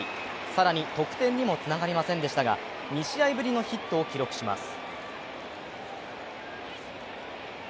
更に得点にもつながりませんでしたが、２試合ぶりのヒットを記録します。